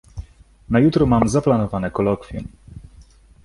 Na jutro mam zaplanowane kolokwium.